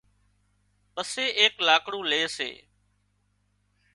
پسي ايڪ لاڪڙون لي سي